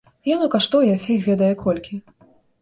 Яно каштуе фіг ведае колькі.